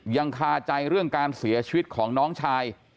คาใจเรื่องการเสียชีวิตของน้องชาย